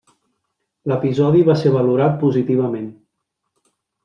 L'episodi va ser valorat positivament.